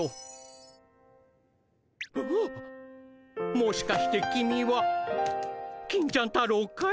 もしかして君は金ちゃん太郎かい？